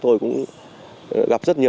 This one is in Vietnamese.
không tố giác